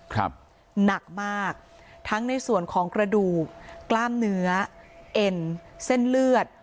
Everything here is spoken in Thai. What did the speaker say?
หนักมากทั้งในส่วนของกระดูกกล้ามเนื้อเอ็นเส้นเลือด